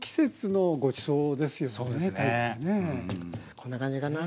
こんな感じかな。